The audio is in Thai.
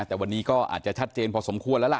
แต่วันนี้ก็อาจจะชัดเจนพอสมควรแล้วล่ะ